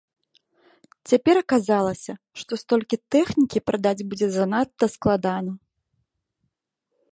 Цяпер аказалася, што столькі тэхнікі прадаць будзе занадта складана.